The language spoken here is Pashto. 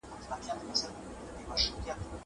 زه پرون سندري اورم وم!!